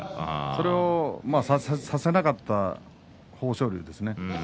それをさせなかった豊昇龍です。